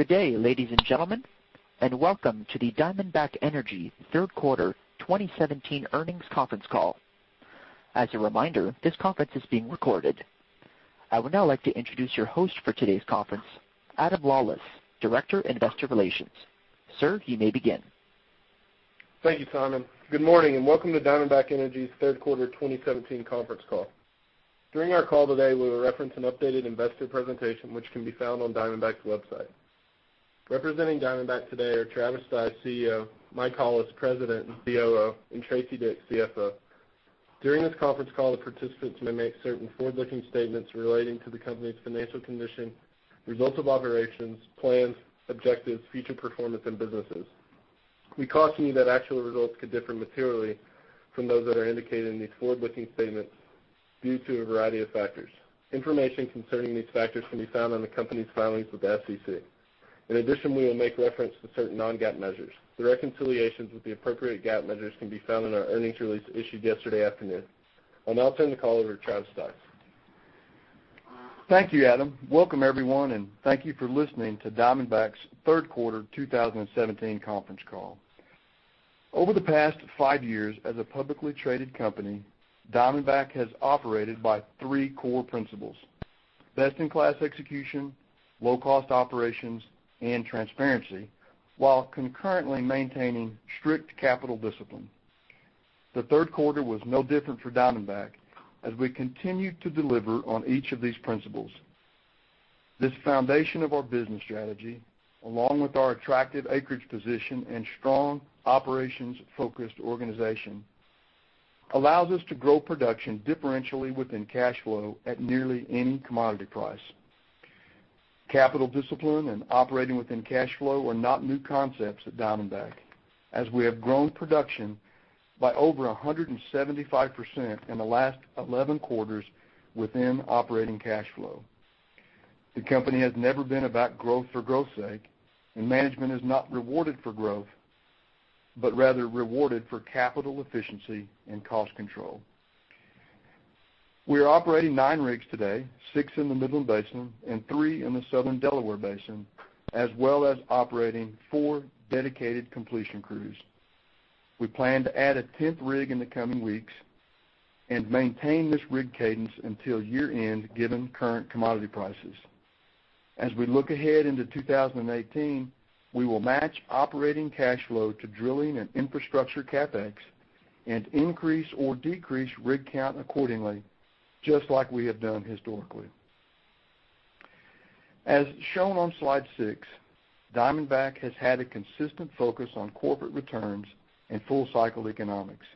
Good day, ladies and gentlemen, welcome to the Diamondback Energy third quarter 2017 earnings conference call. As a reminder, this conference is being recorded. I would now like to introduce your host for today's conference, Adam Lawlis, Director, Investor Relations. Sir, you may begin. Thank you, Simon. Good morning, welcome to Diamondback Energy's third quarter 2017 conference call. During our call today, we will reference an updated investor presentation which can be found on Diamondback's website. Representing Diamondback today are Travis Stice, CEO; Mike Hollis, President and COO; and Teresa Dick, CFO. During this conference call, the participants may make certain forward-looking statements relating to the company's financial condition, results of operations, plans, objectives, future performance, and businesses. We caution you that actual results could differ materially from those that are indicated in these forward-looking statements due to a variety of factors. Information concerning these factors can be found on the company's filings with the SEC. In addition, we will make reference to certain non-GAAP measures. The reconciliations with the appropriate GAAP measures can be found in our earnings release issued yesterday afternoon. I'll now turn the call over to Travis Stice. Thank you, Adam. Welcome, everyone, thank you for listening to Diamondback's third quarter 2017 conference call. Over the past 5 years as a publicly traded company, Diamondback has operated by three core principles: best-in-class execution, low-cost operations, and transparency, while concurrently maintaining strict capital discipline. The third quarter was no different for Diamondback as we continued to deliver on each of these principles. This foundation of our business strategy, along with our attractive acreage position and strong operations-focused organization, allows us to grow production differentially within cash flow at nearly any commodity price. Capital discipline and operating within cash flow are not new concepts at Diamondback, as we have grown production by over 175% in the last 11 quarters within operating cash flow. The company has never been about growth for growth's sake, and management is not rewarded for growth, but rather rewarded for capital efficiency and cost control. We are operating 9 rigs today, 6 in the Midland Basin and 3 in the Southern Delaware Basin, as well as operating 4 dedicated completion crews. We plan to add a 10th rig in the coming weeks and maintain this rig cadence until year-end, given current commodity prices. As we look ahead into 2018, we will match operating cash flow to drilling and infrastructure CapEx and increase or decrease rig count accordingly, just like we have done historically. As shown on slide six, Diamondback has had a consistent focus on corporate returns and full-cycle economics.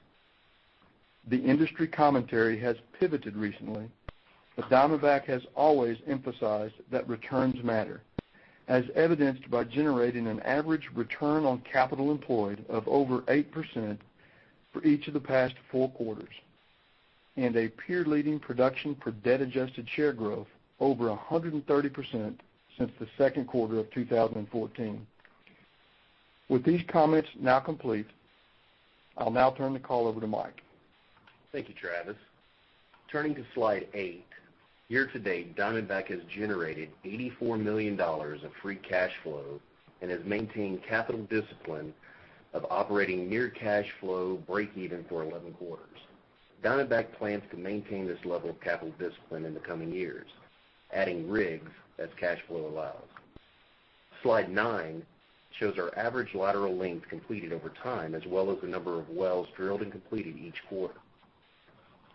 The industry commentary has pivoted recently, Diamondback has always emphasized that returns matter, as evidenced by generating an average return on capital employed of over 8% for each of the past 4 quarters and a peer-leading production per debt-adjusted share growth over 130% since the second quarter of 2014. With these comments now complete, I'll now turn the call over to Mike. Thank you, Travis. Turning to slide eight. Year to date, Diamondback has generated $84 million of free cash flow and has maintained capital discipline of operating near cash flow breakeven for 11 quarters. Diamondback plans to maintain this level of capital discipline in the coming years, adding rigs as cash flow allows. Slide nine shows our average lateral length completed over time, as well as the number of wells drilled and completed each quarter.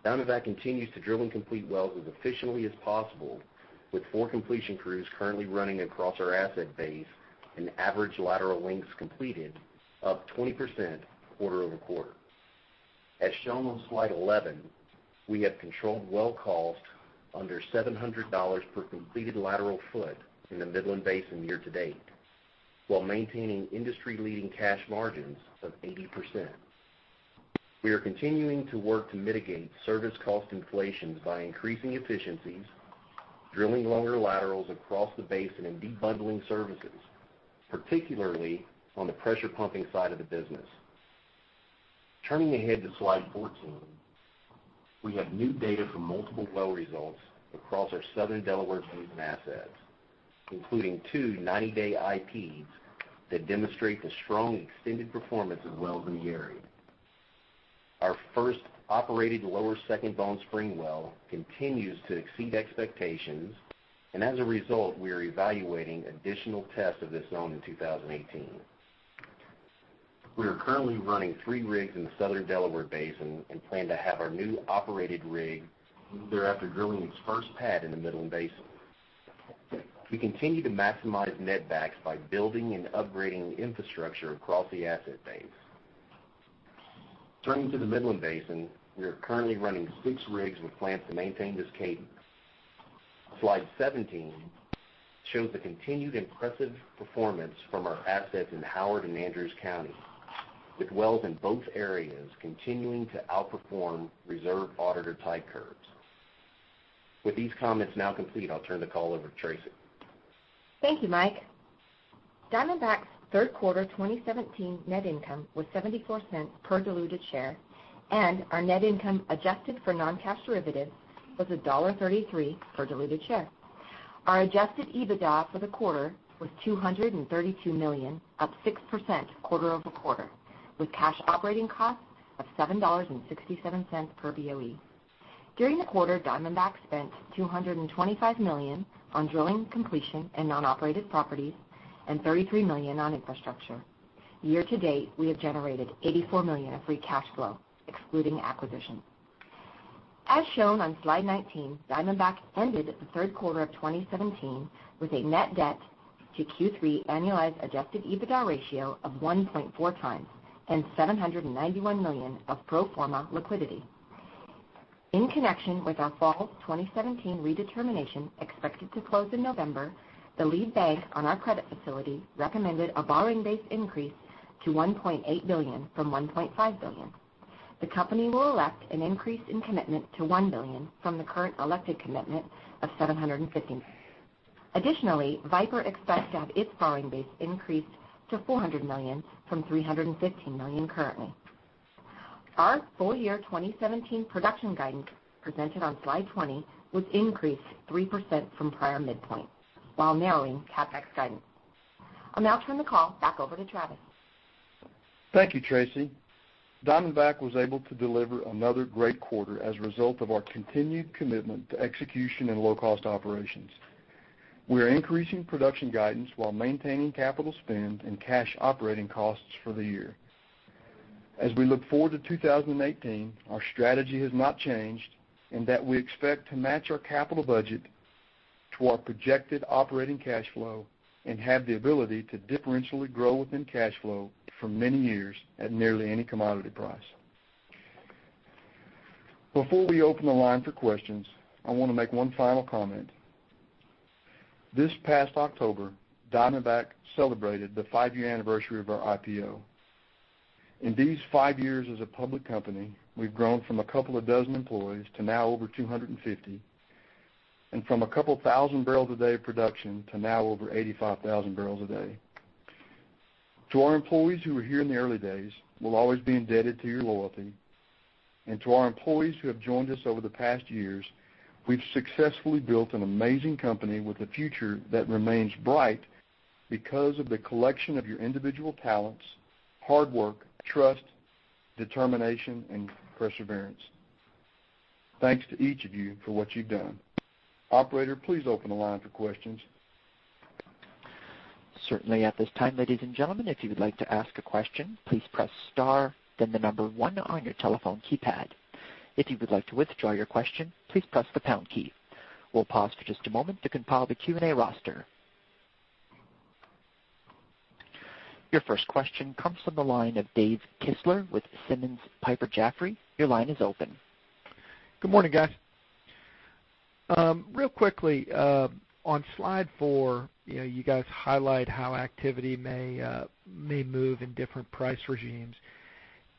Diamondback continues to drill and complete wells as efficiently as possible, with four completion crews currently running across our asset base and average lateral lengths completed up 20% quarter-over-quarter. As shown on slide 11, we have controlled well cost under $700 per completed lateral foot in the Midland Basin year to date, while maintaining industry-leading cash margins of 80%. We are continuing to work to mitigate service cost inflation by increasing efficiencies, drilling longer laterals across the basin, and de-bundling services, particularly on the pressure pumping side of the business. Turning ahead to slide 14, we have new data from multiple well results across our Southern Delaware Basin assets, including two 90-day IPs that demonstrate the strong extended performance of wells in the area. Our first operated Lower Second Bone Spring well continues to exceed expectations, and as a result, we are evaluating additional tests of this zone in 2018. We are currently running three rigs in the Southern Delaware Basin and plan to have our new operated rig move there after drilling its first pad in the Midland Basin. We continue to maximize netbacks by building and upgrading infrastructure across the asset base. Turning to the Midland Basin, we are currently running six rigs with plans to maintain this cadence. Slide 17 shows the continued impressive performance from our assets in Howard and Andrews County, with wells in both areas continuing to outperform reserve auditor type curves. With these comments now complete, I'll turn the call over to Travis. Thank you, Mike. Diamondback's third quarter 2017 net income was $0.74 per diluted share. Our net income adjusted for non-cash derivatives was $1.33 per diluted share. Our adjusted EBITDA for the quarter was $232 million, up 6% quarter-over-quarter, with cash operating costs of $7.67 per BOE. During the quarter, Diamondback spent $225 million on drilling completion in non-operated properties and $33 million on infrastructure. Year to date, we have generated $84 million of free cash flow, excluding acquisition. As shown on slide 19, Diamondback ended the third quarter of 2017 with a net debt to Q3 annualized adjusted EBITDA ratio of 1.4x and $791 million of pro forma liquidity. In connection with our Fall 2017 redetermination expected to close in November, the lead bank on our credit facility recommended a borrowing base increase to $1.8 billion from $1.5 billion. The company will elect an increase in commitment to $1 billion from the current elected commitment of $750 million. Additionally, Viper expects to have its borrowing base increased to $400 million from $315 million currently. Our full year 2017 production guidance presented on slide 20 was increased 3% from prior midpoints while narrowing CapEx guidance. I'll now turn the call back over to Travis. Thank you, Travis. Diamondback was able to deliver another great quarter as a result of our continued commitment to execution and low-cost operations. We are increasing production guidance while maintaining capital spend and cash operating costs for the year. As we look forward to 2018, our strategy has not changed in that we expect to match our capital budget to our projected operating cash flow and have the ability to differentially grow within cash flow for many years at nearly any commodity price. Before we open the line for questions, I want to make one final comment. This past October, Diamondback celebrated the five-year anniversary of our IPO. In these five years as a public company, we've grown from a couple of dozen employees to now over 250, and from a couple thousand barrels a day of production to now over 85,000 barrels a day. To our employees who were here in the early days, we'll always be indebted to your loyalty. To our employees who have joined us over the past years, we've successfully built an amazing company with a future that remains bright because of the collection of your individual talents, hard work, trust, determination, and perseverance. Thanks to each of you for what you've done. Operator, please open the line for questions. Certainly. At this time, ladies and gentlemen, if you would like to ask a question, please press star then the number one on your telephone keypad. If you would like to withdraw your question, please press the pound key. We'll pause for just a moment to compile the Q&A roster. Your first question comes from the line of Dave Kistler with Simmons Piper Jaffray. Your line is open. Good morning, guys. Real quickly, on slide four, you guys highlight how activity may move in different price regimes.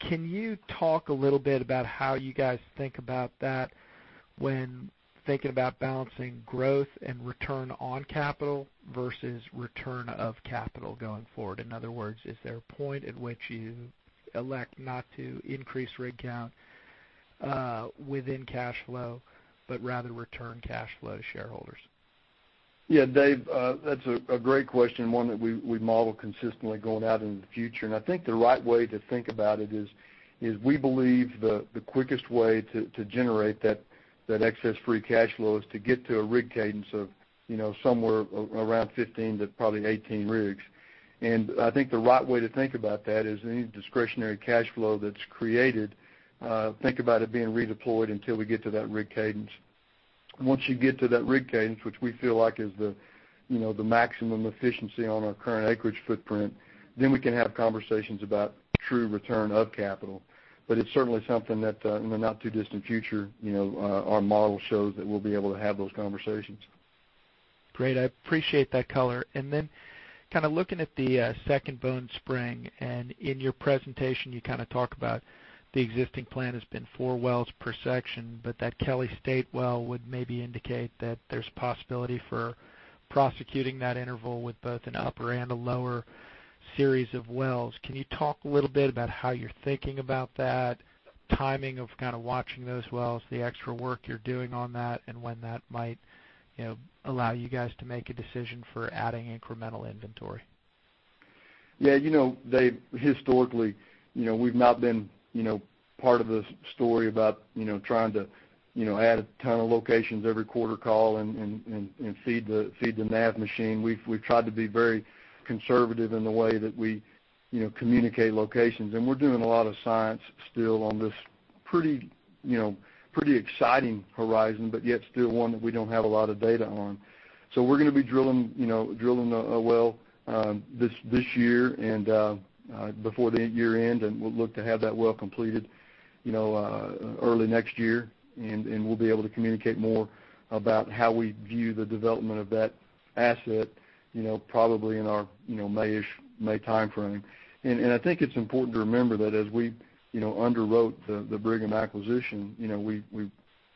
Can you talk a little bit about how you guys think about that when thinking about balancing growth and return on capital versus return of capital going forward? In other words, is there a point at which you elect not to increase rig count within cash flow, but rather return cash flow to shareholders? Yeah, Dave, that's a great question, one that we model consistently going out into the future. I think the right way to think about it is we believe the quickest way to generate that excess free cash flow is to get to a rig cadence of somewhere around 15 to probably 18 rigs. I think the right way to think about that is any discretionary cash flow that's created, think about it being redeployed until we get to that rig cadence. Once you get to that rig cadence, which we feel like is the maximum efficiency on our current acreage footprint, then we can have conversations about true return of capital. It's certainly something that in the not-too-distant future, our model shows that we'll be able to have those conversations. Great. I appreciate that color. Then kind of looking at the Second Bone Spring, in your presentation, you talk about the existing plan has been four wells per section, but that Kelley State well would maybe indicate that there's possibility for prosecuting that interval with both an upper and a lower series of wells. Can you talk a little bit about how you're thinking about that, timing of watching those wells, the extra work you're doing on that, and when that might allow you guys to make a decision for adding incremental inventory? Yeah. Dave, historically we've not been part of the story about trying to add a ton of locations every quarter call and feed the NAV machine. We've tried to be very conservative in the way that we communicate locations, we're doing a lot of science still on this pretty exciting horizon, but yet still one that we don't have a lot of data on. We're going to be drilling a well this year and before the year end, we'll look to have that well completed early next year, and we'll be able to communicate more about how we view the development of that asset probably in our May-ish, May timeframe. I think it's important to remember that as we underwrote the Brigham acquisition, we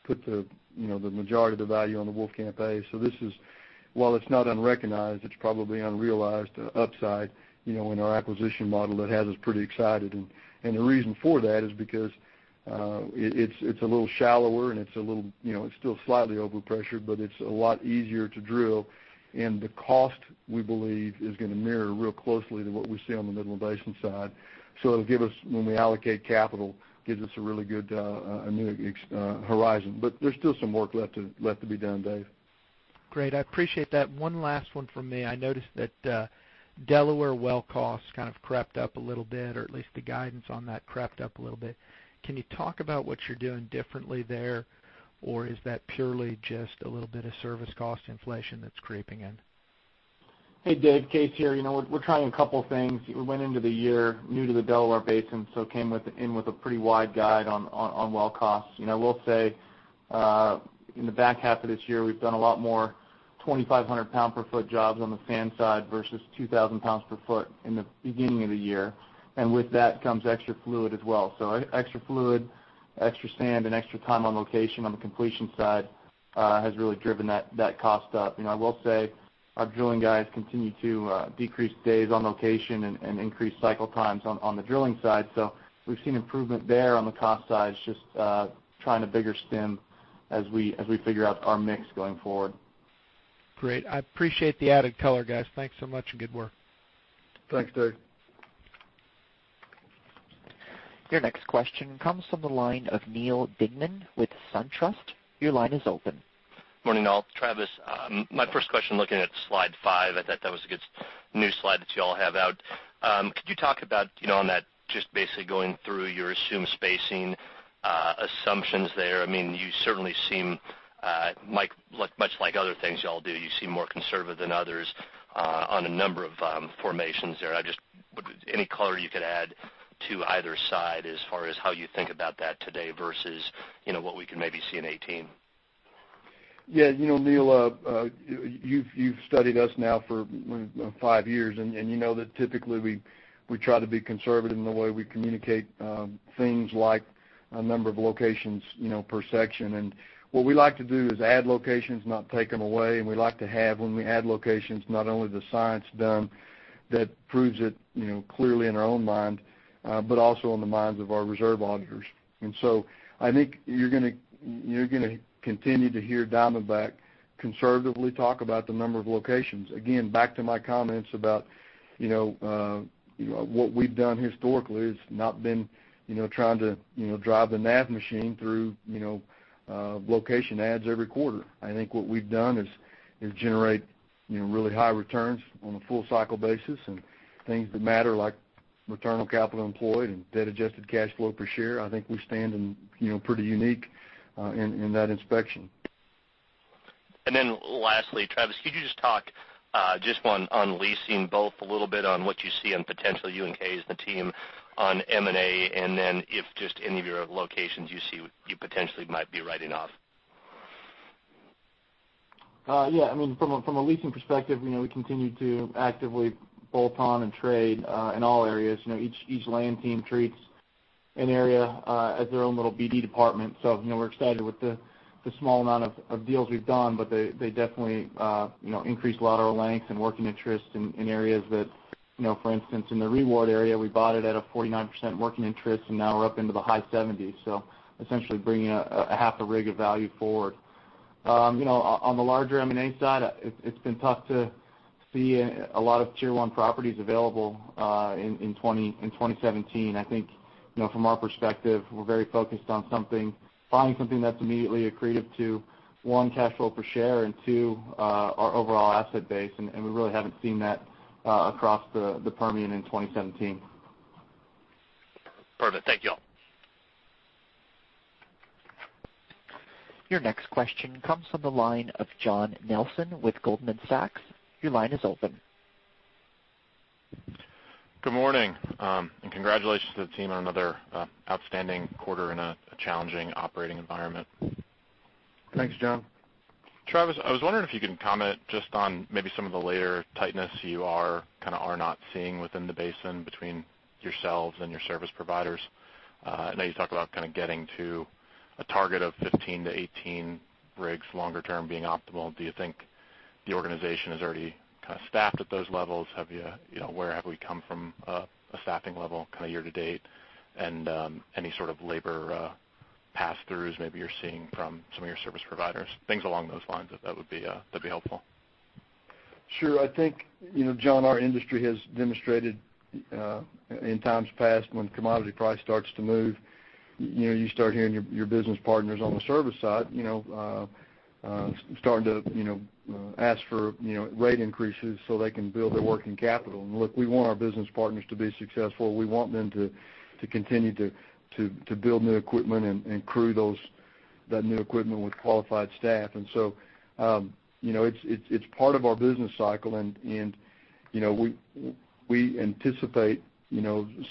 put the majority of the value on the Wolfcamp A. While it's not unrecognized, it's probably unrealized upside in our acquisition model that has us pretty excited. The reason for that is because it's a little shallower, and it's still slightly over-pressured, but it's a lot easier to drill. The cost, we believe, is going to mirror real closely to what we see on the Midland Basin side. It'll give us, when we allocate capital, gives us a really good horizon. There's still some work left to be done, Dave. Great. I appreciate that. One last one from me. I noticed that Delaware well costs kind of crept up a little bit, or at least the guidance on that crept up a little bit. Can you talk about what you're doing differently there? Is that purely just a little bit of service cost inflation that's creeping in? Hey, Dave. Kaes here. We're trying a couple things. We went into the year new to the Delaware Basin, came in with a pretty wide guide on well costs. I will say, in the back half of this year, we've done a lot more 2,500 pound per foot jobs on the sand side versus 2,000 pounds per foot in the beginning of the year. With that comes extra fluid as well. Extra fluid, extra sand, and extra time on location on the completion side has really driven that cost up. I will say our drilling guys continue to decrease days on location and increase cycle times on the drilling side. We've seen improvement there on the cost side. It's just trying a bigger stem as we figure out our mix going forward. Great. I appreciate the added color, guys. Thanks so much, good work. Thanks, Dave. Your next question comes from the line of Neal Dingmann with SunTrust. Your line is open. Morning, all. Travis. My first question, looking at slide five, I thought that was a good new slide that you all have out. Could you talk about, on that, just basically going through your assumed spacing assumptions there. You certainly seem, much like other things you all do, you seem more conservative than others on a number of formations there. Just any color you could add to either side as far as how you think about that today versus what we could maybe see in 2018. Yeah. Neal, you've studied us now for five years, you know that typically, we try to be conservative in the way we communicate things like a number of locations per section. What we like to do is add locations, not take them away, and we like to have, when we add locations, not only the science done that proves it clearly in our own mind, but also in the minds of our reserve auditors. So I think you're going to continue to hear Diamondback conservatively talk about the number of locations. Again, back to my comments about what we've done historically is not been trying to drive the NAV machine through location adds every quarter. I think what we've done is generate really high returns on a full cycle basis and things that matter like return on capital employed and debt-adjusted cash flow per share. I think we stand pretty unique in that inspection. Lastly, Travis, could you just talk just on leasing, both a little bit on what you see and potentially you and Kaes as the team on M&A, and then if just any of your locations you see you potentially might be writing off? Yeah. From a leasing perspective, we continue to actively bolt on and trade in all areas. Each land team treats an area as their own little BD department. We're excited with the small amount of deals we've done, but they definitely increase lateral length and working interest in areas that, for instance, in the ReWard area, we bought it at a 49% working interest, and now we're up into the high 70s, so essentially bringing a half a rig of value forward. On the larger M&A side, it's been tough to see a lot of Tier 1 properties available in 2017. I think from our perspective, we're very focused on finding something that's immediately accretive to, one, cash flow per share and, two, our overall asset base, and we really haven't seen that across the Permian in 2017. Perfect. Thank you all. Your next question comes from the line of John Nelson with Goldman Sachs. Your line is open. Good morning. Congratulations to the team on another outstanding quarter in a challenging operating environment. Thanks, John. Travis, I was wondering if you can comment just on maybe some of the labor tightness you are not seeing within the basin between yourselves and your service providers. I know you talk about getting to a target of 15-18 rigs longer term being optimal. Do you think the organization is already staffed at those levels? Where have we come from a staffing level year-to-date? Any sort of labor pass-throughs maybe you're seeing from some of your service providers? Things along those lines, that'd be helpful. Sure. I think, John, our industry has demonstrated in times past when commodity price starts to move, you start hearing your business partners on the service side start to ask for rate increases so they can build their working capital. Look, we want our business partners to be successful. We want them to continue to build new equipment and crew that new equipment with qualified staff. It's part of our business cycle, and we anticipate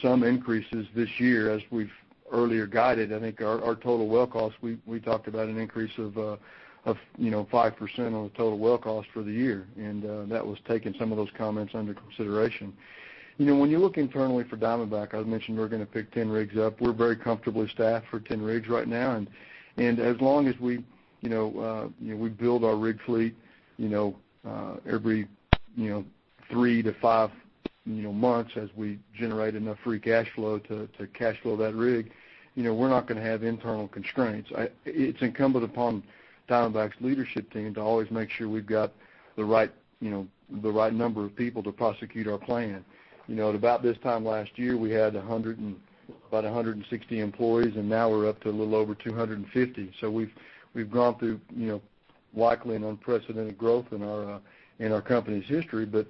some increases this year as we've earlier guided. I think our total well cost, we talked about an increase of 5% on the total well cost for the year, and that was taking some of those comments under consideration. When you look internally for Diamondback, I've mentioned we're going to pick 10 rigs up. We're very comfortably staffed for 10 rigs right now. As long as we build our rig fleet every 3 to 5 months as we generate enough free cash flow to cash flow that rig, we're not going to have internal constraints. It's incumbent upon Diamondback Energy's leadership team to always make sure we've got the right number of people to prosecute our plan. At about this time last year, we had about 160 employees, and now we're up to a little over 250. We've gone through likely an unprecedented growth in our company's history, but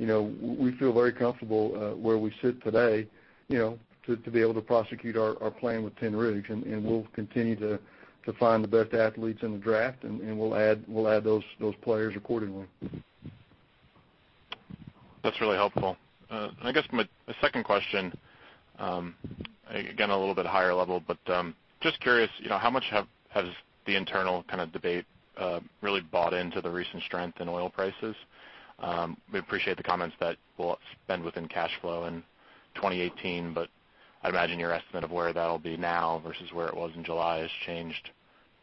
we feel very comfortable where we sit today to be able to prosecute our plan with 10 rigs. We'll continue to find the best athletes in the draft, and we'll add those players accordingly. That's really helpful. I guess my second question, again, a little bit higher level, but just curious, how much has the internal debate really bought into the recent strength in oil prices? We appreciate the comments that we'll spend within cash flow in 2018, but I imagine your estimate of where that'll be now versus where it was in July has changed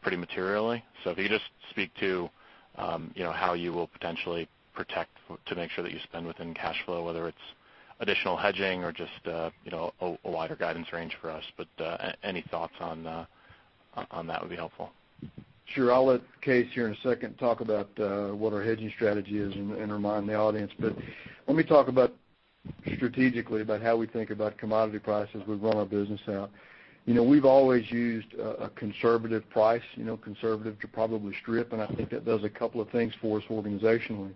pretty materially. If you could just speak to how you will potentially protect to make sure that you spend within cash flow, whether it's additional hedging or just a wider guidance range for us. Any thoughts on that would be helpful. Sure. I'll let Kaes here in a second talk about what our hedging strategy is and remind the audience. Let me talk about strategically about how we think about commodity prices. We've grown our business out. We've always used a conservative price, conservative to probably strip. I think that does a couple of things for us organizationally.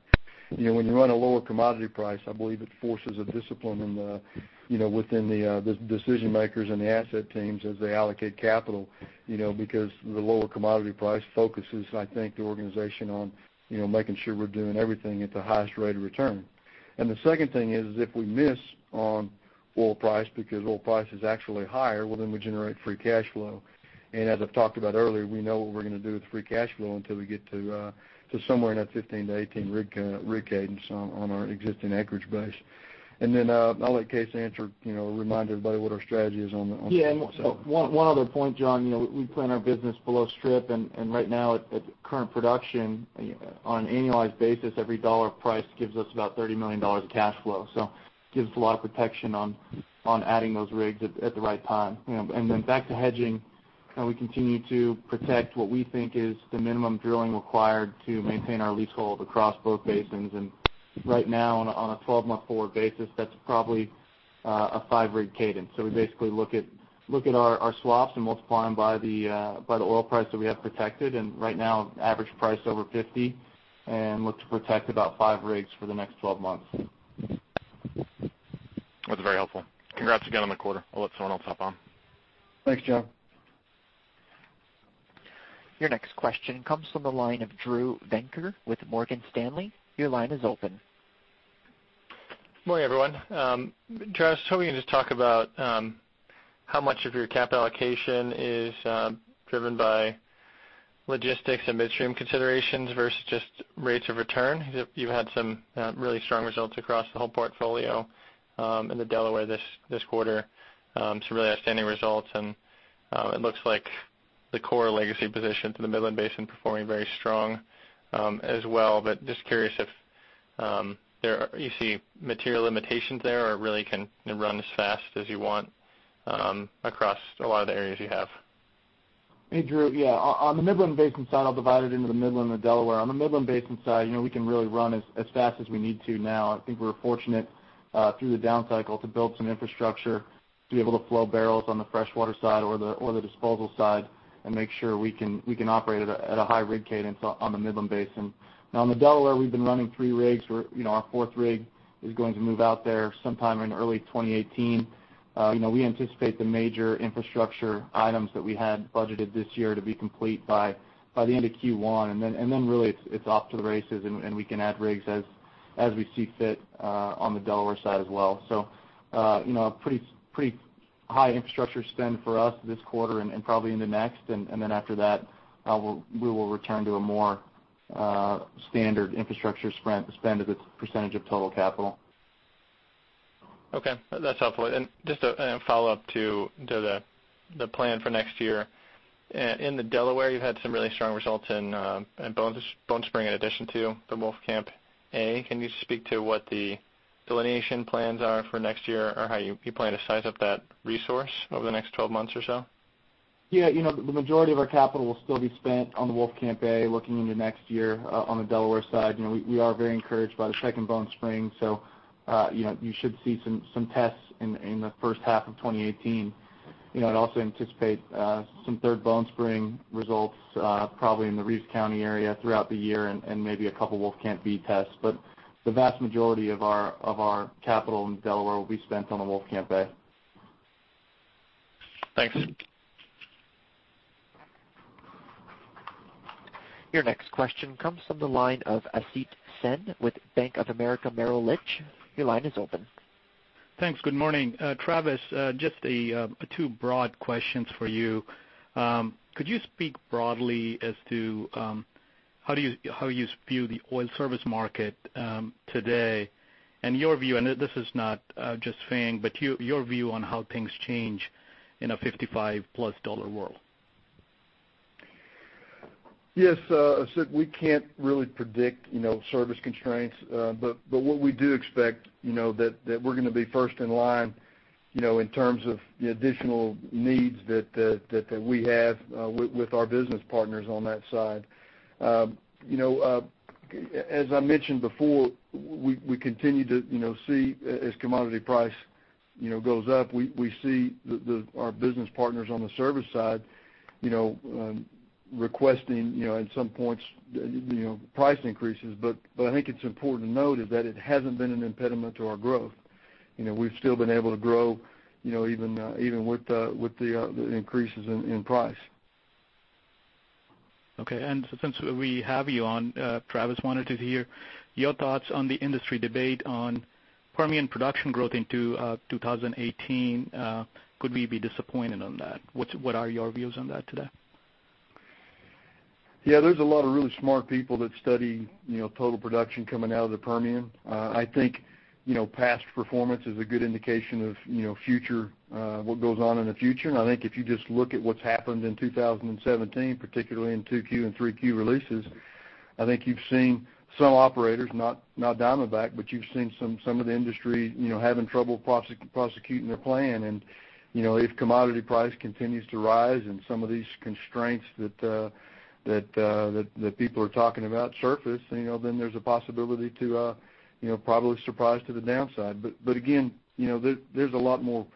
When you run a lower commodity price, I believe it forces a discipline within the decision makers and the asset teams as they allocate capital because the lower commodity price focuses, I think, the organization on making sure we're doing everything at the highest rate of return. The second thing is, if we miss on oil price because oil price is actually higher, well, we generate free cash flow. As I've talked about earlier, we know what we're going to do with free cash flow until we get to somewhere in that 15-18 rig cadence on our existing acreage base. Then I'll let Kaes answer, remind everybody what our strategy is on that. Yeah, one other point, John. We plan our business below strip. Right now at current production, on an annualized basis, every dollar price gives us about $30 million of cash flow. Gives us a lot of protection on adding those rigs at the right time. Back to hedging, we continue to protect what we think is the minimum drilling required to maintain our leasehold across both basins. Right now, on a 12-month forward basis, that's probably a five rig cadence. We basically look at our swaps and multiply them by the oil price that we have protected, and right now, average price over 50, and look to protect about five rigs for the next 12 months. That's very helpful. Congrats again on the quarter. I'll let someone else hop on. Thanks, John. Your next question comes from the line of Drew Venker with Morgan Stanley. Your line is open. Morning, everyone. Travis, how are you going to just talk about how much of your CapEx allocation is driven by logistics and midstream considerations versus just rates of return? You've had some really strong results across the whole portfolio in the Delaware this quarter. Some really outstanding results, it looks like the core legacy position to the Midland Basin performing very strong as well. Just curious if you see material limitations there, or it really can run as fast as you want across a lot of the areas you have. Hey, Drew. Yeah, on the Midland Basin side, I'll divide it into the Midland and Delaware. On the Midland Basin side, we can really run as fast as we need to now. I think we're fortunate through the down cycle to build some infrastructure to be able to flow barrels on the freshwater side or the disposal side and make sure we can operate at a high rig cadence on the Midland Basin. On the Delaware, we've been running three rigs. Our fourth rig is going to move out there sometime in early 2018. We anticipate the major infrastructure items that we had budgeted this year to be complete by the end of Q1. Really, it's off to the races, we can add rigs as we see fit on the Delaware side as well. Pretty high infrastructure spend for us this quarter and probably into next. After that, we will return to a more standard infrastructure spend as a % of total capital. Okay. That's helpful. Just a follow-up to the plan for next year. In the Delaware, you've had some really strong results in Bone Spring in addition to the Wolfcamp A. Can you speak to what the delineation plans are for next year or how you plan to size up that resource over the next 12 months or so? Yeah. The majority of our capital will still be spent on the Wolfcamp A looking into next year on the Delaware side. We are very encouraged by the Second Bone Spring, you should see some tests in the first half of 2018. I'd also anticipate some Third Bone Spring results probably in the Reeves County area throughout the year and maybe a couple Wolfcamp B tests. The vast majority of our capital in Delaware will be spent on the Wolfcamp A. Thanks. Your next question comes from the line of Asit Sen with Bank of America Merrill Lynch. Your line is open. Thanks. Good morning. Travis, just two broad questions for you. Could you speak broadly as to how you view the oil service market today and your view, and this is not just Fang, but your view on how things change in a $55 plus world? Yes, Asit. We can't really predict service constraints. What we do expect, that we're going to be first in line, in terms of the additional needs that we have with our business partners on that side. As I mentioned before, we continue to see as commodity price goes up, we see our business partners on the service side requesting, at some points, price increases. I think it's important to note is that it hasn't been an impediment to our growth. We've still been able to grow even with the increases in price. Okay, since we have you on, Travis, wanted to hear your thoughts on the industry debate on Permian production growth into 2018. Could we be disappointed on that? What are your views on that today? There's a lot of really smart people that study total production coming out of the Permian. I think past performance is a good indication of what goes on in the future. I think if you just look at what's happened in 2017, particularly in Q2 and Q3 releases, I think you've seen some operators, not Diamondback, but you've seen some of the industry having trouble prosecuting their plan. If commodity price continues to rise and some of these constraints that people are talking about surface, then there's a possibility to probably surprise to the downside. Again, there's a lot more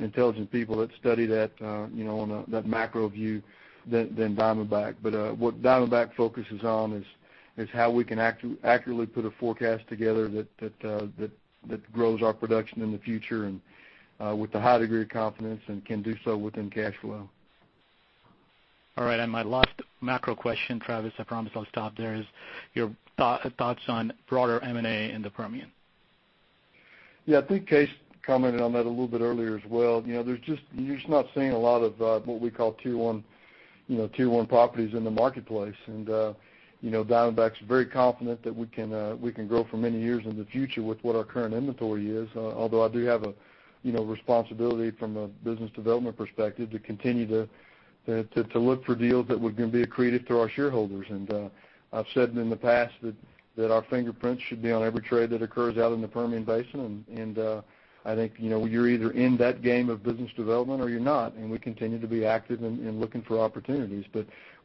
intelligent people that study that on a macro view than Diamondback. What Diamondback focuses on is how we can accurately put a forecast together that grows our production in the future and with a high degree of confidence and can do so within cash flow. All right, my last macro question, Travis, I promise I'll stop there, is your thoughts on broader M&A in the Permian. I think Kaes commented on that a little bit earlier as well. You're just not seeing a lot of what we call Tier 1 properties in the marketplace. Diamondback's very confident that we can grow for many years in the future with what our current inventory is. Although I do have a responsibility from a business development perspective to continue to look for deals that would be accretive to our shareholders. I've said in the past that our fingerprints should be on every trade that occurs out in the Permian Basin. I think, you're either in that game of business development or you're not, and we continue to be active in looking for opportunities.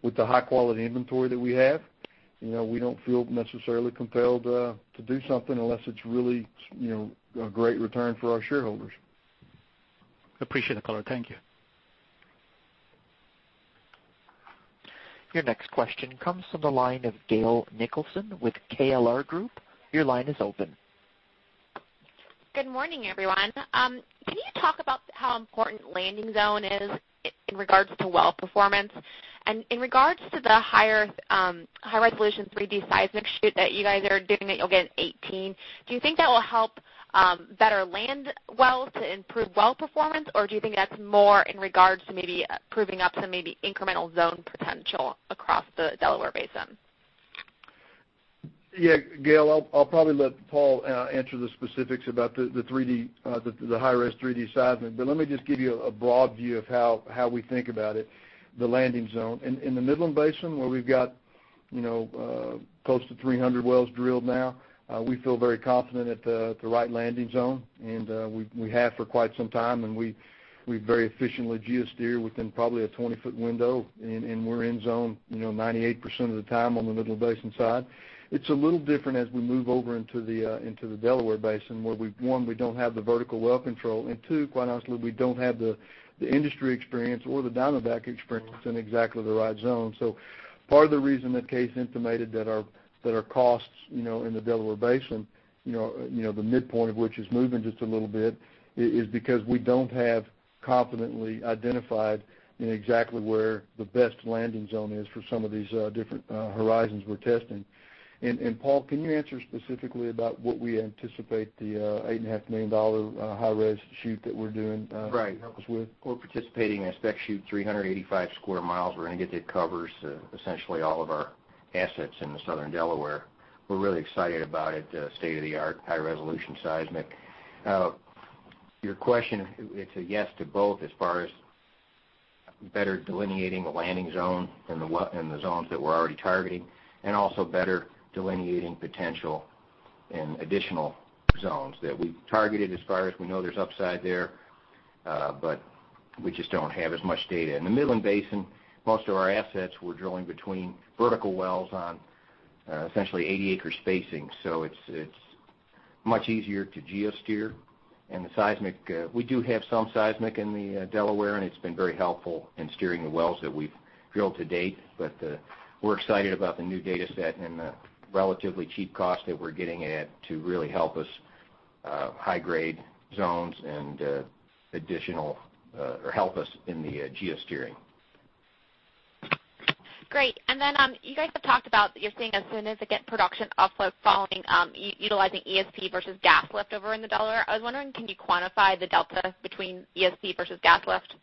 With the high-quality inventory that we have, we don't feel necessarily compelled to do something unless it's really a great return for our shareholders. Appreciate the color. Thank you. Your next question comes from the line of Gail Nicholson with KLR Group. Your line is open. Good morning, everyone. Can you talk about how important landing zone is in regards to well performance? In regards to the higher high-resolution 3D seismic shoot that you guys are doing that you'll get in 2018, do you think that will help better land wells to improve well performance? Do you think that's more in regards to maybe proving up some maybe incremental zone potential across the Delaware Basin? Yeah, Gail, I'll probably let Paul answer the specifics about the high-res 3D seismic. Let me just give you a broad view of how we think about it, the landing zone. In the Midland Basin, where we've got close to 300 wells drilled now, we feel very confident at the right landing zone, and we have for quite some time. We very efficiently geosteer within probably a 20-foot window, and we're in zone 98% of the time on the Midland Basin side. It's a little different as we move over into the Delaware Basin, where we, one, we don't have the vertical well control, and two, quite honestly, we don't have the industry experience or the Diamondback experience in exactly the right zone. Part of the reason that Kaes intimated that our costs in the Delaware Basin, the midpoint of which is moving just a little bit, is because we don't have confidently identified exactly where the best landing zone is for some of these different horizons we're testing. Paul, can you answer specifically about what we anticipate the $8.5 million high-res shoot that we're doing- Right can help us with? We're participating in a spec shoot, 385 sq mi. We're going to get it covers essentially all of our assets in the Southern Delaware. We're really excited about it, state-of-the-art high-resolution seismic. Your question, it's a yes to both as far as better delineating the landing zone and the zones that we're already targeting, and also better delineating potential and additional zones that we've targeted as far as we know there's upside there, but we just don't have as much data. In the Midland Basin, most of our assets we're drilling between vertical wells on essentially 80 acres spacing, so it's much easier to geosteer. The seismic, we do have some seismic in the Delaware, and it's been very helpful in steering the wells that we've drilled to date. We're excited about the new data set and the relatively cheap cost that we're getting it at to really help us high-grade zones and help us in the geosteering. Great. Then you guys have talked about that you're seeing as soon as they get production offload following utilizing ESP versus gas lift over in the Delaware. I was wondering, can you quantify the delta between ESP versus gas lift?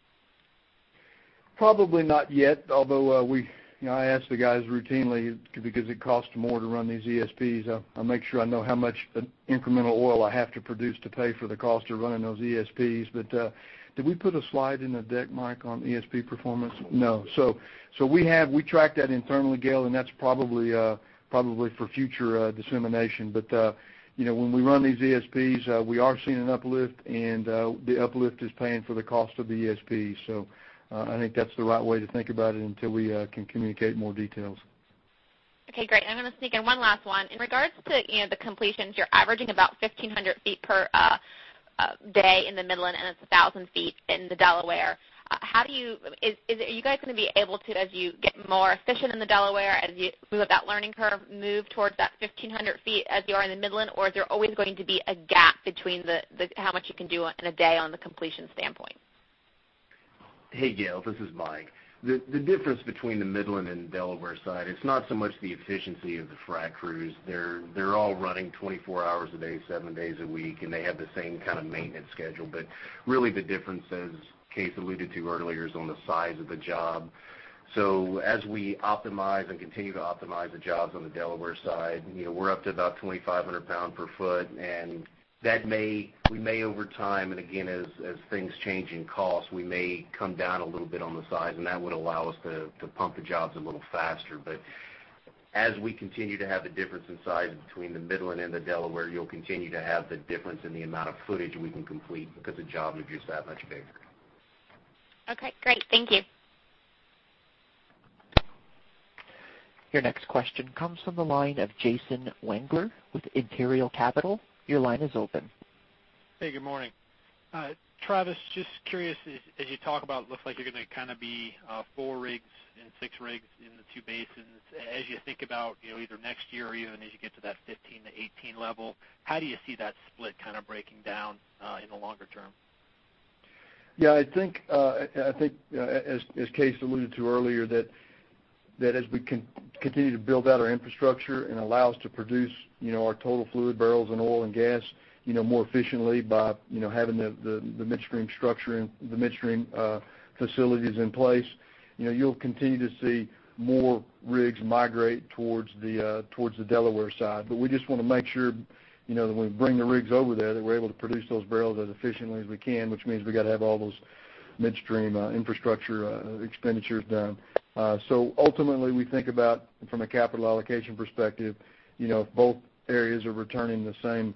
Probably not yet. Although I ask the guys routinely, because it costs more to run these ESPs, I make sure I know how much incremental oil I have to produce to pay for the cost of running those ESPs. Did we put a slide in the deck, Mike, on ESP performance? No. We track that internally, Gail, and that's probably for future dissemination. When we run these ESPs, we are seeing an uplift, and the uplift is paying for the cost of the ESP. I think that's the right way to think about it until we can communicate more details. Okay, great. I'm going to sneak in one last one. In regards to the completions, you're averaging about 1,500 feet per day in the Midland, and it's 1,000 feet in the Delaware. Are you guys going to be able to, as you get more efficient in the Delaware, as you move up that learning curve, move towards that 1,500 feet as you are in the Midland? Is there always going to be a gap between how much you can do in a day on the completion standpoint? Hey, Gail, this is Mike. The difference between the Midland and Delaware side, it's not so much the efficiency of the frac crews. They're all running 24 hours a day, 7 days a week, and they have the same kind of maintenance schedule. Really the difference, as Kaes alluded to earlier, is on the size of the job. As we optimize and continue to optimize the jobs on the Delaware side, we're up to about 2,500 pound per foot, and we may over time, and again as things change in cost, we may come down a little bit on the size, and that would allow us to pump the jobs a little faster. As we continue to have the difference in size between the Midland and the Delaware, you'll continue to have the difference in the amount of footage we can complete because the job is just that much bigger. Okay, great. Thank you. Your next question comes from the line of Jason Wangler with Imperial Capital. Your line is open. Hey, good morning. Travis, just curious, as you talk about it looks like you're going to be four rigs and six rigs in the two basins. As you think about either next year or even as you get to that 15-18 level, how do you see that split breaking down in the longer term? I think as Kaes alluded to earlier, that as we continue to build out our infrastructure and allow us to produce our total fluid barrels and oil and gas more efficiently by having the midstream facilities in place, you'll continue to see more rigs migrate towards the Delaware side. We just want to make sure that when we bring the rigs over there, that we're able to produce those barrels as efficiently as we can, which means we got to have all those midstream infrastructure expenditures done. Ultimately, we think about from a capital allocation perspective, both areas are returning the same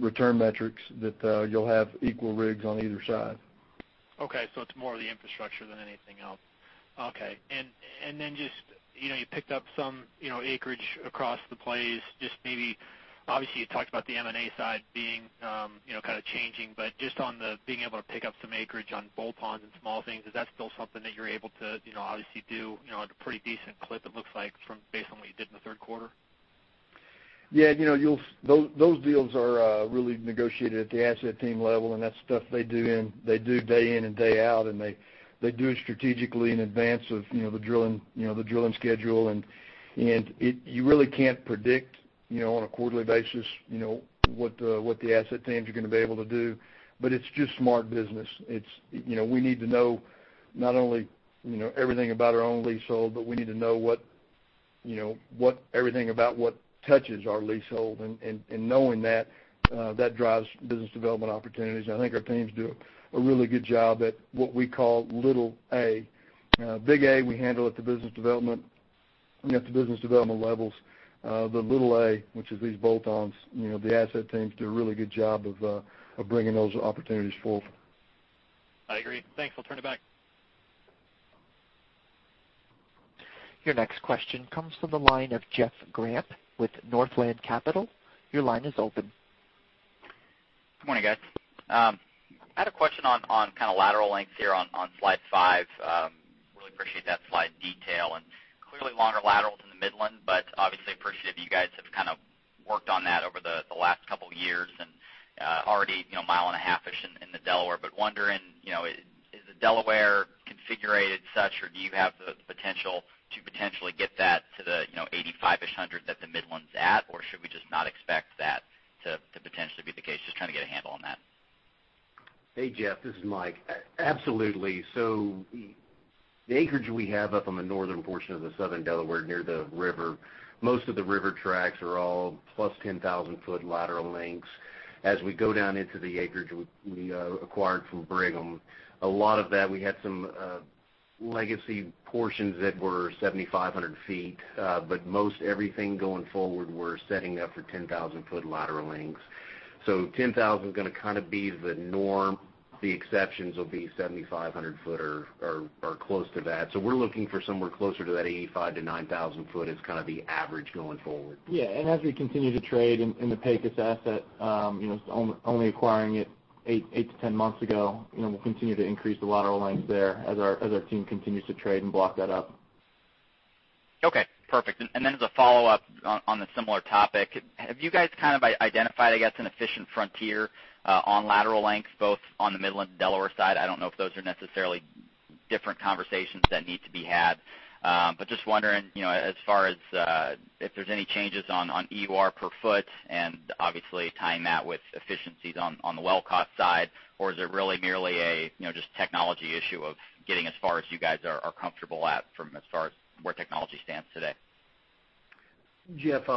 return metrics that you'll have equal rigs on either side. It's more of the infrastructure than anything else. You picked up some acreage across the plays. Obviously you talked about the M&A side being changing, but just on the being able to pick up some acreage on bolt-ons and small things, is that still something that you're able to obviously do at a pretty decent clip it looks like from based on what you did in the third quarter? Those deals are really negotiated at the asset team level, that's stuff they do day in and day out, they do it strategically in advance of the drilling schedule, you really can't predict on a quarterly basis what the asset teams are going to be able to do. It's just smart business. We need to know not only everything about our own leasehold, we need to know everything about what touches our leasehold, knowing that drives business development opportunities. I think our teams do a really good job at what we call little A. Big A, we handle at the business development levels. The little A, which is these bolt-ons, the asset teams do a really good job of bringing those opportunities forth. I agree. Thanks. I'll turn it back. Your next question comes from the line of Jeff Grant with Northland Capital. Your line is open. Good morning, guys. I had a question on lateral lengths here on slide five. Really appreciate that slide detail. Clearly longer laterals in the Midland, but obviously appreciative you guys have worked on that over the last couple of years and already a mile and a half-ish in the Delaware. Wondering, is the Delaware configurated such, or do you have the potential to potentially get that to the 8,500-ish that the Midland's at? Should we just not expect that to potentially be the case? Just trying to get a handle on that. Hey, Jeff, this is Mike. Absolutely. The acreage we have up on the northern portion of the Southern Delaware, near the river, most of the river tracts are all plus 10,000 foot lateral lengths. As we go down into the acreage we acquired from Brigham, a lot of that we had some legacy portions that were 7,500 feet. Most everything going forward, we're setting up for 10,000 foot lateral lengths. 10,000's going to be the norm. The exceptions will be 7,500 foot or close to that. We're looking for somewhere closer to that 85 to 9,000 foot as the average going forward. Yeah, as we continue to trade in the Pecos asset, only acquiring it eight to 10 months ago, we'll continue to increase the lateral lengths there as our team continues to trade and block that up. Okay, perfect. As a follow-up on the similar topic, have you guys identified, I guess, an efficient frontier on lateral lengths, both on the Midland and Delaware side? I don't know if those are necessarily different conversations that need to be had. Just wondering as far as if there's any changes on EUR per foot and obviously tying that with efficiencies on the well cost side. Is it really merely a just technology issue of getting as far as you guys are comfortable at from as far as where technology stands today? Jeff,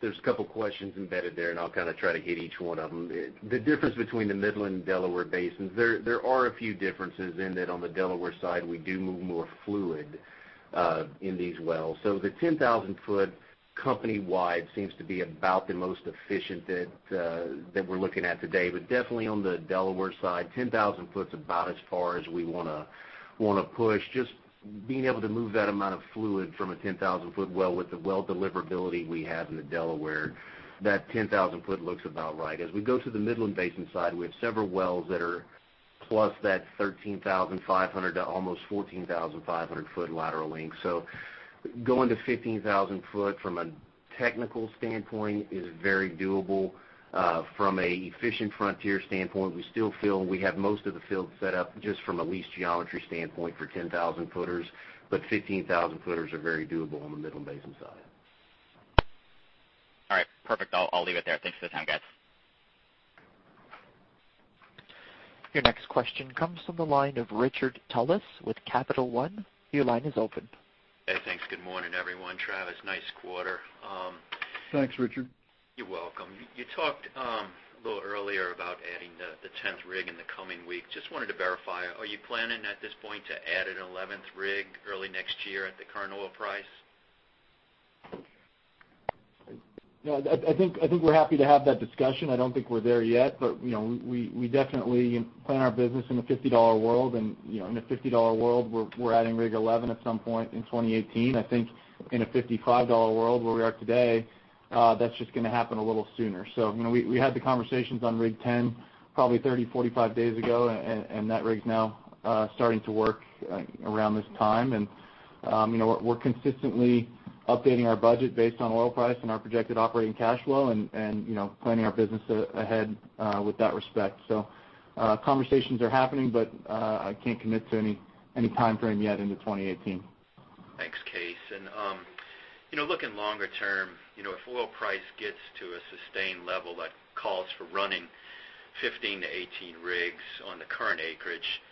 there's a couple questions embedded there, and I'll try to hit each one of them. The difference between the Midland and Delaware basins, there are a few differences in that on the Delaware side, we do move more fluid, in these wells. The 10,000 foot company-wide seems to be about the most efficient that we're looking at today. Definitely on the Delaware side, 10,000 foot is about as far as we want to push, just being able to move that amount of fluid from a 10,000 foot well with the well deliverability we have in the Delaware. That 10,000 foot looks about right. As we go to the Midland Basin side, we have several wells that are plus that 13,500 to almost 14,500 foot lateral length. Going to 15,000 foot from a technical standpoint is very doable. From an efficient frontier standpoint, we still feel we have most of the field set up just from a lease geometry standpoint for 10,000 footers, 15,000 footers are very doable on the Midland Basin side. All right. Perfect. I'll leave it there. Thanks for the time, guys. Your next question comes from the line of Richard Tullis with Capital One. Your line is open. Hey, thanks. Good morning, everyone. Travis, nice quarter. Thanks, Richard. You're welcome. You talked a little earlier about adding the 10th rig in the coming week. Just wanted to verify, are you planning at this point to add an 11th rig early next year at the current oil price? I think we're happy to have that discussion. I don't think we're there yet, but we definitely plan our business in the $50 world. In a $50 world, we're adding rig 11 at some point in 2018. I think in a $55 world where we are today, that's just going to happen a little sooner. We had the conversations on rig 10 probably 30, 45 days ago, and that rig's now starting to work around this time. We're consistently updating our budget based on oil price and our projected operating cash flow and planning our business ahead with that respect. Conversations are happening, but I can't commit to any time frame yet into 2018. Thanks, Kaes. Looking longer term, if oil price gets to a sustained level that calls for running 15 to 18 rigs on the current acreage,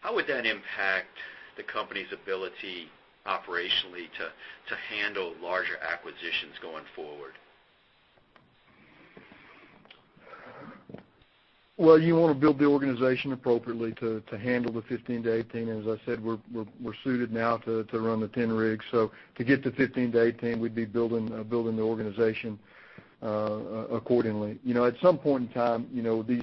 how would that impact the company's ability operationally to handle larger acquisitions going forward? Well, you want to build the organization appropriately to handle the 15 to 18. As I said, we're suited now to run the 10 rigs. To get to 15 to 18, we'd be building the organization accordingly. At some point in time, these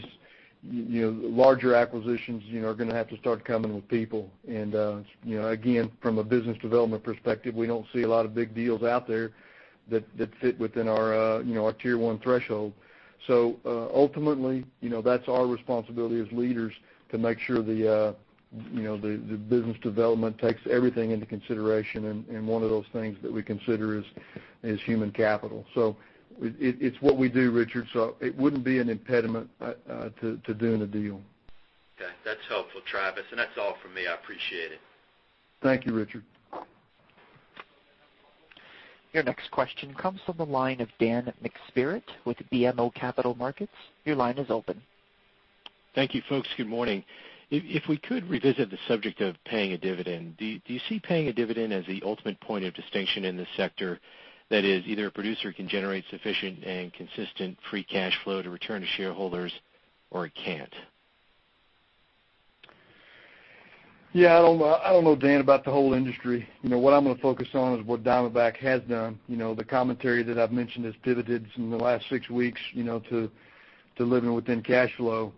larger acquisitions are going to have to start coming with people. Again, from a business development perspective, we don't see a lot of big deals out there that fit within our Tier 1 threshold. Ultimately, that's our responsibility as leaders to make sure the business development takes everything into consideration, and one of those things that we consider is human capital. It's what we do, Richard, so it wouldn't be an impediment to doing a deal. Okay. That's helpful, Travis, that's all from me. I appreciate it. Thank you, Richard. Your next question comes from the line of Dan McSpirit with BMO Capital Markets. Your line is open. Thank you, folks. Good morning. If we could revisit the subject of paying a dividend, do you see paying a dividend as the ultimate point of distinction in this sector that is either a producer can generate sufficient and consistent free cash flow to return to shareholders, or it can't? Yeah, I don't know, Dan, about the whole industry. What I'm going to focus on is what Diamondback has done. The commentary that I've mentioned has pivoted from the last six weeks, to living within cash flow.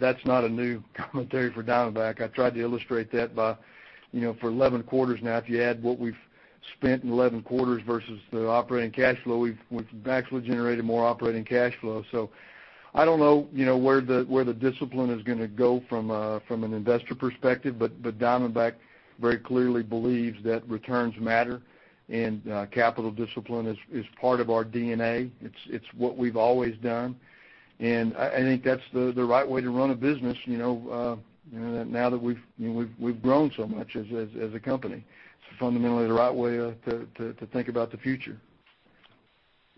That's not a new commentary for Diamondback. I tried to illustrate that for 11 quarters now. If you add what we've spent in 11 quarters versus the operating cash flow, we've actually generated more operating cash flow. I don't know where the discipline is going to go from an investor perspective, but Diamondback very clearly believes that returns matter and capital discipline is part of our DNA. It's what we've always done, and I think that's the right way to run a business now that we've grown so much as a company. It's fundamentally the right way to think about the future.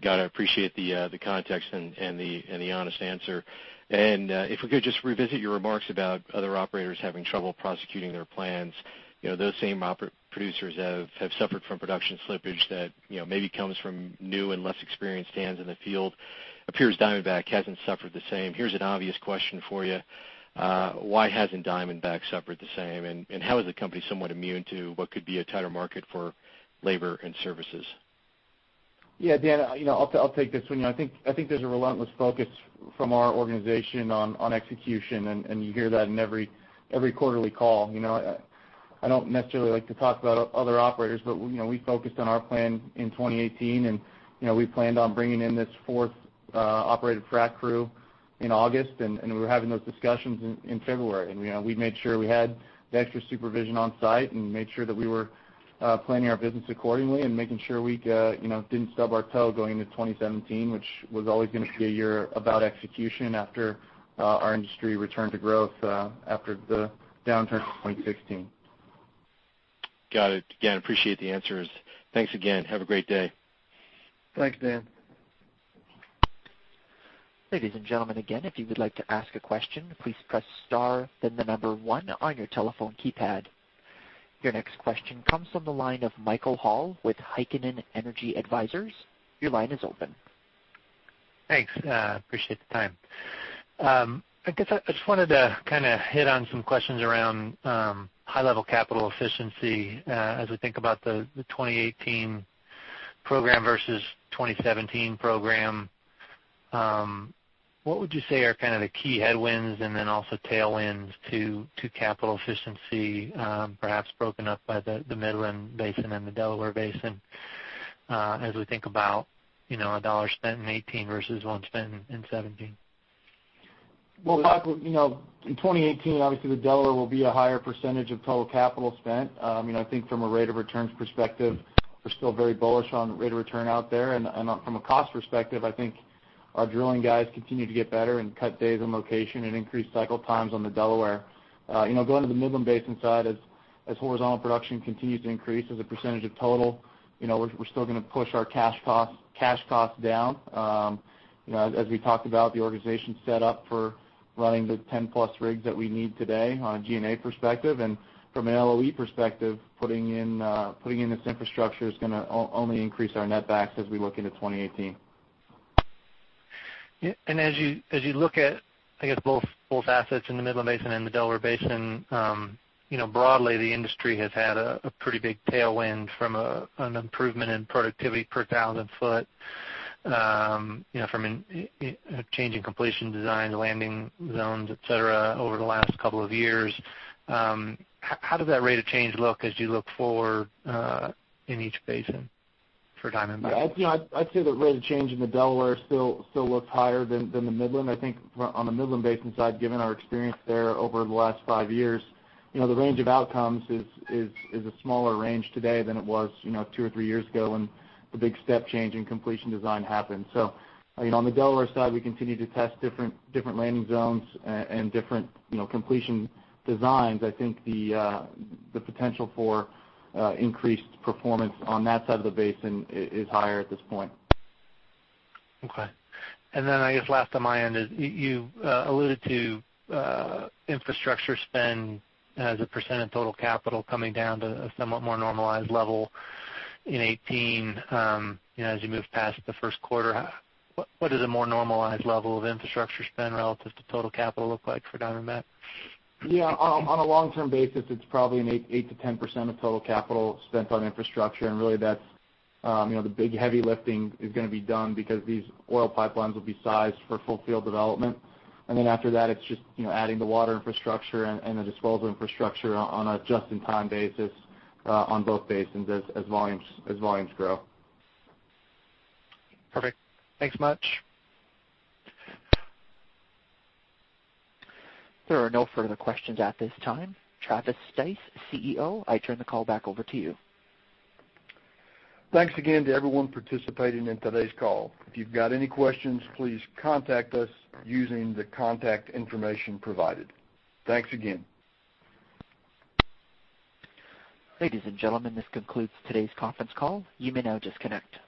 Got it. Appreciate the context and the honest answer. If we could just revisit your remarks about other operators having trouble prosecuting their plans. Those same producers have suffered from production slippage that maybe comes from new and less experienced hands in the field. Appears Diamondback hasn't suffered the same. Here's an obvious question for you. Why hasn't Diamondback suffered the same, and how is the company somewhat immune to what could be a tighter market for labor and services? Yeah, Dan, I'll take this one. I think there's a relentless focus from our organization on execution, and you hear that in every quarterly call. I don't necessarily like to talk about other operators, but we focused on our plan in 2018, and we planned on bringing in this fourth operated frac crew in August, and we were having those discussions in February. We made sure we had the extra supervision on site and made sure that we were planning our business accordingly and making sure we didn't stub our toe going into 2017, which was always going to be a year about execution after our industry returned to growth after the downturn of 2016. Got it. Again, appreciate the answers. Thanks again. Have a great day. Thanks, Dan. Ladies and gentlemen, again, if you would like to ask a question, please press star then the number one on your telephone keypad. Your next question comes from the line of Michael Hall with Heikkinen Energy Advisors. Your line is open. Thanks. Appreciate the time. I guess I just wanted to hit on some questions around high-level capital efficiency as we think about the 2018 program versus 2017 program. What would you say are the key headwinds and then also tailwinds to capital efficiency, perhaps broken up by the Midland Basin and the Delaware Basin, as we think about a dollar spent in 2018 versus one spent in 2017? Well, Michael, in 2018, obviously the Delaware will be a higher percentage of total capital spent. I think from a rate of returns perspective, we're still very bullish on the rate of return out there. From a cost perspective, I think our drilling guys continue to get better and cut days on location and increase cycle times on the Delaware. Going to the Midland Basin side, as horizontal production continues to increase as a percentage of total, we're still going to push our cash costs down. As we talked about, the organization's set up for running the 10-plus rigs that we need today on a G&A perspective, and from an LOE perspective, putting in this infrastructure is going to only increase our netbacks as we look into 2018. As you look at, I guess, both assets in the Midland Basin and the Delaware Basin, broadly, the industry has had a pretty big tailwind from an improvement in productivity per 1,000 foot from a change in completion design, landing zones, et cetera, over the last couple of years. How does that rate of change look as you look forward in each basin for Diamondback? I'd say the rate of change in the Delaware still looks higher than the Midland. I think on the Midland Basin side, given our experience there over the last five years, the range of outcomes is a smaller range today than it was two or three years ago when the big step change in completion design happened. On the Delaware side, we continue to test different landing zones and different completion designs. I think the potential for increased performance on that side of the basin is higher at this point. Okay. I guess last on my end is you alluded to infrastructure spend as a % of total capital coming down to a somewhat more normalized level in 2018. As you move past the first quarter, what does a more normalized level of infrastructure spend relative to total capital look like for Diamondback? On a long-term basis, it's probably an 8-10% of total capital spent on infrastructure, and really that's the big heavy lifting is going to be done because these oil pipelines will be sized for full field development. After that, it's just adding the water infrastructure and the disposal infrastructure on a just-in-time basis on both basins as volumes grow. Perfect. Thanks much. There are no further questions at this time. Travis Stice, CEO, I turn the call back over to you. Thanks again to everyone participating in today's call. If you've got any questions, please contact us using the contact information provided. Thanks again. Ladies and gentlemen, this concludes today's conference call. You may now disconnect.